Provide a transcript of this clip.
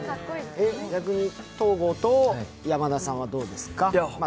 逆に東郷と山田さんはどうですか？